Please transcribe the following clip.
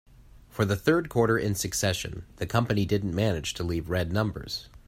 For the third quarter in succession, the company didn't manage to leave red numbers.